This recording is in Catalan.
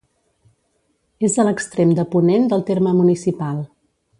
És a l'extrem de ponent del terme municipal.